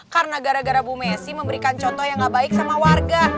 karena gara gara bu messi memberikan contoh yang nggak baik sama warga